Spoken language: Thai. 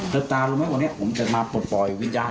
เธอตารู้ไหมว่าผมจะมาปวดปล่อยวิญญาณ